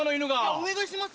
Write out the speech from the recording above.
お願いします！